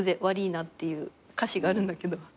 『わりぃな』」っていう歌詞があるんだけど。